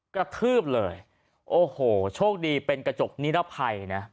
กระทืบเลยโอ้โหโชคดีเป็นกระจกนิรภัยนะ